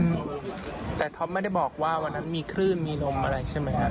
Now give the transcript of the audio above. อืมแต่ท็อปไม่ได้บอกว่าวันนั้นมีคลื่นมีลมอะไรใช่ไหมครับ